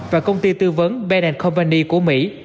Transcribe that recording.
và công ty tư vấn ben company của mỹ